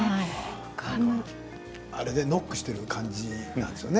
あれでノックをしているような感じがしますよね。